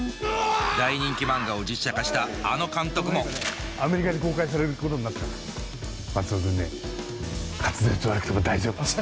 大人気漫画を実写化したあの監督もアメリカで公開されることになったから松戸君ね滑舌悪くても大丈夫。